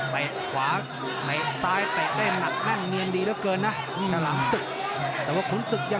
ใต้ขวาใต้ซ้ายใต้เต้นตัวอันเนียนดีเยอะเกินนะ